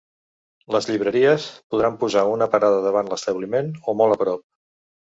Les llibreries podran posar una parada davant l’establiment o molt a prop.